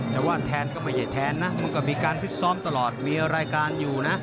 แต่ว่าแทนก็ไม่ใช่แทนนะมันก็มีการฟิตซ้อมตลอดมีรายการอยู่นะ